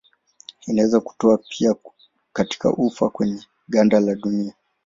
Inaweza kutoka pia katika ufa kwenye ganda la dunia.